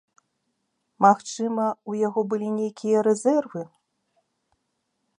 Магчыма, у яго былі нейкія рэзервы.